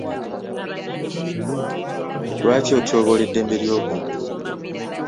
Lwaki otyoboola eddembe ly'obuntu?